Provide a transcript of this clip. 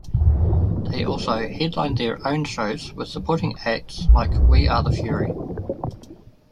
They also headlined their own shows with supporting acts like We Are The Fury.